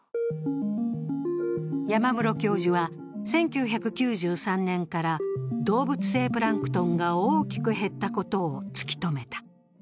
山室教授は１９９３年から動物性プランクトンが大きく減ったことを突き止めた。